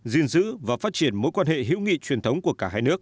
gìn giữ và phát triển mối quan hệ hữu nghị truyền thống của cả hai nước